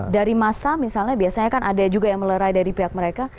dari masa misalnya biasanya kan ada juga yang melerai dari pihak mereka